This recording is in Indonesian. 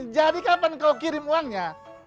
jadi kapan kau kirim uangnya